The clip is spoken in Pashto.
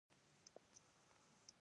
سره له دې چې اقتصادي وده موجوده وه.